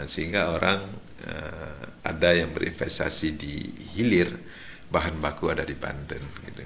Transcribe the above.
sehingga orang ada yang berinvestasi di hilir bahan baku ada di banten